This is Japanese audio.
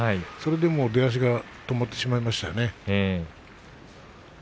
それでもう出足が止まってしまいましたね。